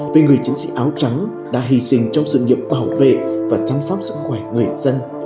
về người chiến sĩ áo trắng đã hy sinh trong sự nghiệp bảo vệ và chăm sóc sức khỏe người dân